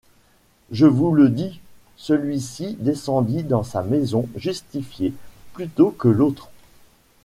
Je vous le dis, celui-ci descendit dans sa maison justifié, plutôt que l'autre.